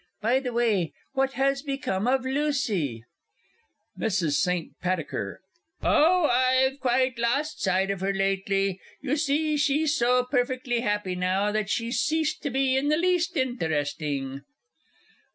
By the way, what has become of Lucy? MRS. ST. PATTICKER. Oh, I've quite lost sight of her lately you see she's so perfectly happy now, that she's ceased to be in the least interesting!